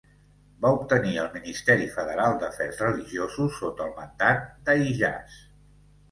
Va obtenir el ministeri federal d'afers religiosos sota el mandat de Ijaz.